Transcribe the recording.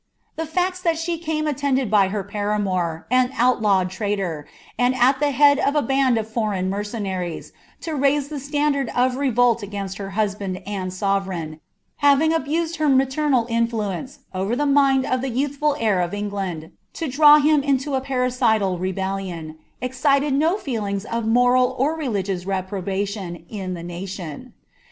The kcts that she came attended by her paramour, an outlawed traitor, and t the head of a band of foreign mercenaries, to raise the standard of eT<^t against her husband and sovereign, having abused her maternal iHiience over the mind of the youthful heir of England, to draw him ito a parricidal rebellion, excited no feeling of moral or rdigious repro ■tion in the nation.